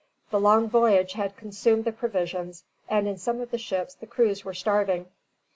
The long voyage had consumed the provisions, and in some of the ships the crews were starving.